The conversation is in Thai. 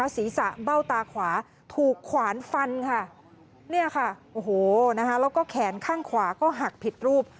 มีคนสีสะเบ้าตาขวาถูกขวานฟันค่ะแล้วก็แขนข้างขวาก็หักผิดรูป